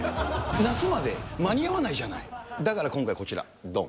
夏までに間に合わないじゃない、だから今回、こちら、どん。